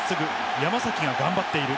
山崎が頑張っている。